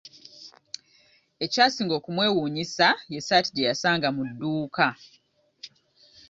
Ekyasinga okumwewuunyisa y'essaati gye yasanga mu dduuka.